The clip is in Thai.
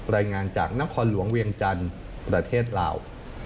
รายงานจากนครหลวงเวียงจันทร์ประเทศลาว